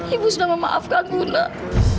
ibu sudah memaafkanmu nak